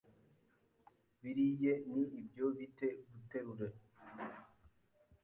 biriye ni ibyo bite guterure